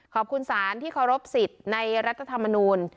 ขอบคุณศาลที่เคารพสิทธิ์ในรัฐธรรมนูล